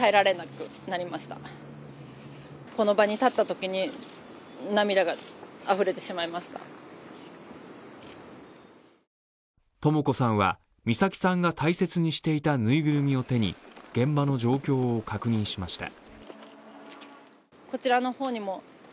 とも子さんは美咲さんが大切にしていた縫いぐるみを手に現場の状況を確認しました。